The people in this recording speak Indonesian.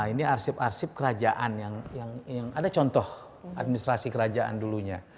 ini arsip arsip kerajaan yang ada contoh administrasi kerajaan dulunya